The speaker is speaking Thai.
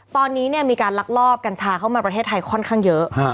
ตอนนี้มีการลักลอบกัญชาเข้ามาประเทศไทยค่อนข้างเยอะ